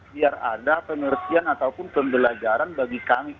biar ada penertian ataupun pembelajaran bagi kami